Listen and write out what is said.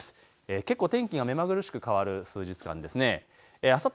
結構天気が目まぐるしく変わる数日間ですね。